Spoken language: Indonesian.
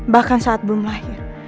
bahkan saat belum lahir